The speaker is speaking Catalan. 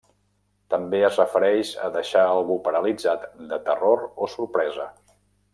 També es refereix a deixar a algú paralitzat de terror o sorpresa.